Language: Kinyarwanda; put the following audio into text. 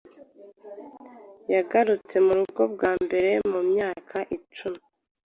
Yagarutse murugo bwa mbere mumyaka icumi.